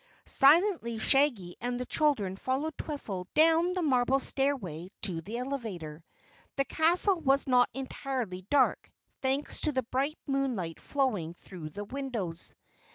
Silently Shaggy and the children followed Twiffle down the marble stairway to the elevator. The castle was not entirely dark, thanks to the bright moonlight flowing through the windows.